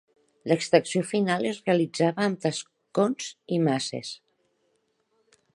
L'extracció final es realitzava amb tascons i maces.